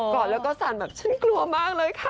อดแล้วก็สั่นแบบฉันกลัวมากเลยค่ะ